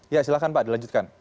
ya silakan pak dilanjutkan